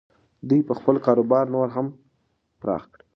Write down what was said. دوی به خپل کاروبار نور هم پراخ کړي.